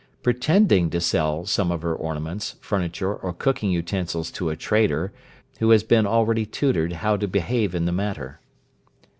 Pretending to sell some of her ornaments, furniture, or cooking utensils to a trader, who has been already tutored how to behave in the matter.